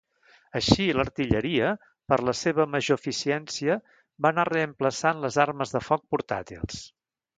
Així l'artilleria, per la seva major eficiència, va anar reemplaçant les armes de foc portàtils.